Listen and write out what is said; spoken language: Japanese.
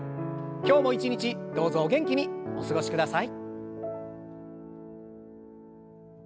今日も一日どうぞお元気にお過ごしください。